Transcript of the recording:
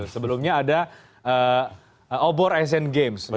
sebelumnya ada obor asian games